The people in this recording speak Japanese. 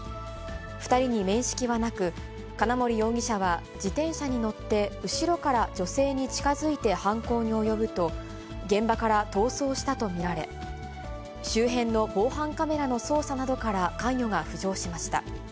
２人に面識はなく、金森容疑者は、自転車に乗って、後ろから女性に近づいて犯行に及ぶと、現場から逃走したと見られ、周辺の防犯カメラの捜査などから、関与が浮上しました。